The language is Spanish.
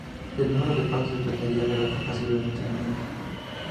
El número de pasos dependería de la capacidad de almacenamiento.